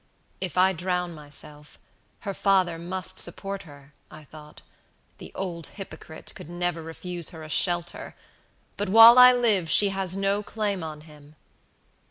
'If I drown myself, her father must support her,' I thought; 'the old hypocrite could never refuse her a shelter; but while I live she has no claim on him.'